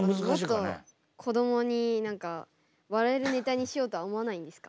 もっと子どもに笑えるネタにしようとは思わないんですか？